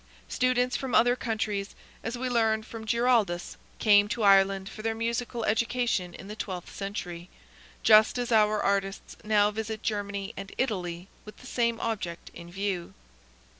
Students from other countries, as we learn from Giraldus, came to Ireland for their musical education in the twelfth century, just as our artists now visit Germany and Italy with the same object in view.